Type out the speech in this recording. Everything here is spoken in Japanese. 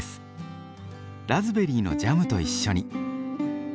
ラズベリーのジャムと一緒に。